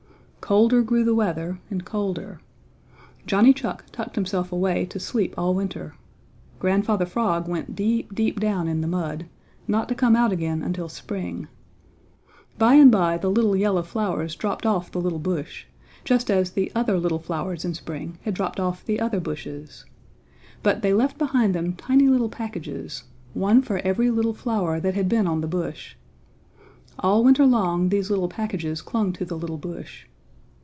Colder grew the weather and colder. Johnny Chuck tucked himself away to sleep all winter. Grandfather Frog went deep, deep down in the mud, not to come out again until spring. By and by the little yellow flowers dropped off the little bush, just as the other little flowers in spring had dropped off the other bushes. But they left behind them tiny little packages, one for every little flower that had been on the bush. All winter long these little packages clung to the little bush.